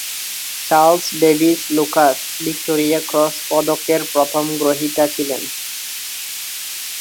Charles Davis Lucas Victoria Cross পদকের প্রথম গ্রহীতা ছিলেন।